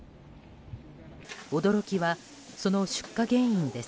驚きは、その出火原因です。